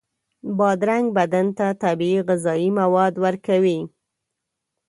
بادرنګ بدن ته طبیعي غذایي مواد ورکوي.